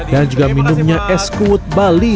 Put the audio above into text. dan juga minumnya es kut bali